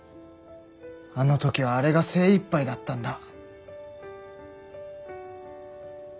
あの時はあれが精いっぱいだったんだ。